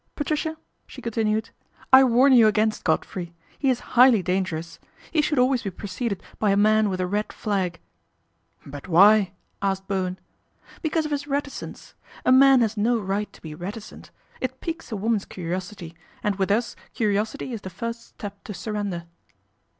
Patricia/' she continued, " I warn you against i Godfrey. He is highly dangerous. He should always be preceded by a man with a red flag." " But why ?" asked Bowen. " Because of his reticence. A man has no right I to be reticent; it piques a woman's curiosity, andi with us curiosity is the first step to surrender."